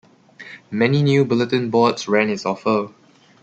Many new bulletin boards ran his offer.